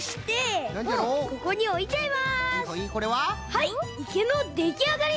はいいけのできあがり！